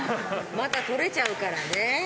また取れちゃうからね。